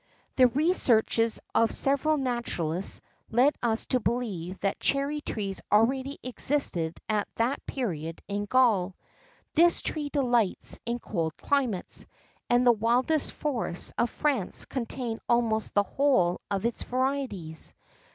The researches of several naturalists lead us to believe that cherry trees already existed at that period in Gaul. This tree delights in cold climates; and the wildest forests of France contain almost the whole of its varieties.